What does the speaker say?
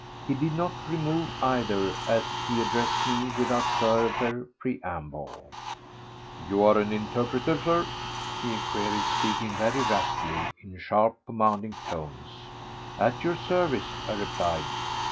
He did not remove either as he addressed me without further preamble. "You are an interpreter, Sir?" he queried, speaking very rapidly and in sharp commanding tones. "At your service," I replied.